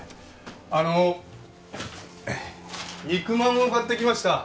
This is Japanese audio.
あの肉まんを買ってきました。